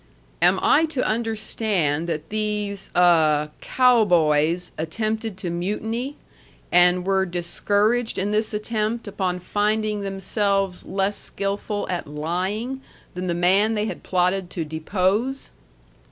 "Am I to understand that these a cow boys attempted to mutiny, and were discouraged in this attempt upon finding themselves less skilful at lying than the man they had plotted to depose?"